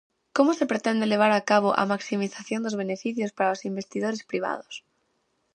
¿Como se pretende levar a cabo a maximización dos beneficios para os investidores privados?